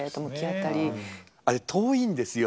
あれ遠いんですよ。